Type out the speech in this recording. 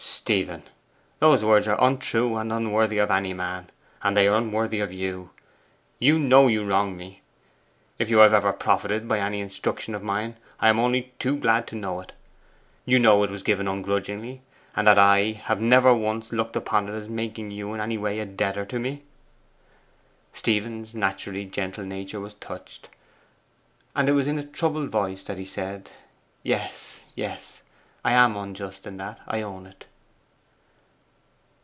'Stephen, those words are untrue and unworthy of any man, and they are unworthy of you. You know you wrong me. If you have ever profited by any instruction of mine, I am only too glad to know it. You know it was given ungrudgingly, and that I have never once looked upon it as making you in any way a debtor to me.' Stephen's naturally gentle nature was touched, and it was in a troubled voice that he said, 'Yes, yes. I am unjust in that I own it.